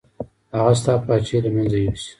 هغه ستا پاچاهي له منځه یوسي.